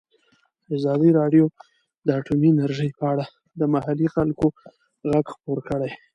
ازادي راډیو د اټومي انرژي په اړه د محلي خلکو غږ خپور کړی.